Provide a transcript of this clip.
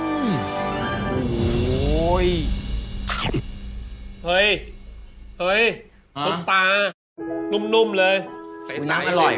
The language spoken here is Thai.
ซุปปลานุ่มเลยใสน้ำอร่อยก่อน